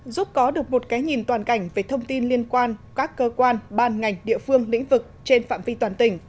giúp có được một cái nhìn toàn cảnh về thông tin liên quan các cơ quan ban ngành địa phương lĩnh vực trên phạm vi toàn tỉnh